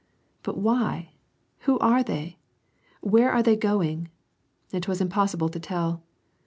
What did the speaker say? " But why ? Who are they ? Where are they going ?" It was impossible to tell.